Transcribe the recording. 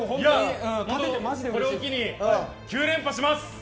これを機に９連覇します。